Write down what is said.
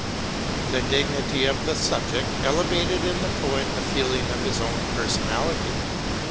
The dignity of the subject elevated in the poet the feeling of his own personality.